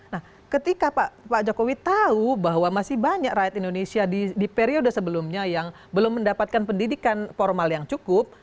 nah ketika pak jokowi tahu bahwa masih banyak rakyat indonesia di periode sebelumnya yang belum mendapatkan pendidikan formal yang cukup